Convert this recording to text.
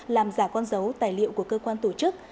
làm giả con dấu tài liệu của cơ quan tổ chức